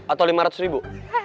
atau lima ratus ribu